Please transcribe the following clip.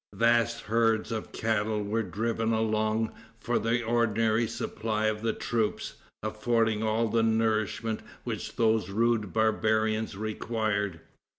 Vast herds of cattle were driven along for the ordinary supply of the troops, affording all the nourishment which those rude barbarians required.